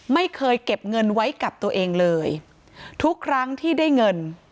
ไม่เคยเก็บเงินไว้กับตัวเองเลยทุกครั้งที่ได้เงิน